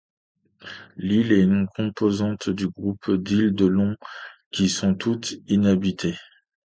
L'île est une composante du groupe d'îles De Long qui sont toutes inhabitées.